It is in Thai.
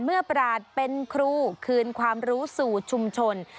เมื่อประหลาดเป็นครูคืนความรู้สู่ชุมชน